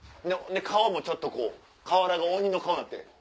顔もちょっと瓦が鬼の顔になって。